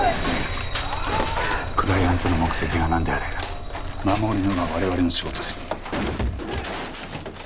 クライアントの目的がなんであれ護るのが我々の仕事です。